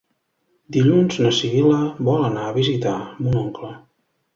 Dilluns na Sibil·la vol anar a visitar mon oncle.